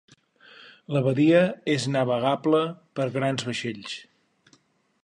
La badia és navegable per grans vaixells.